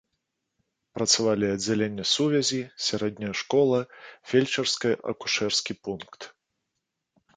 Працавалі аддзяленне сувязі, сярэдняя школа, фельчарска-акушэрскі пункт.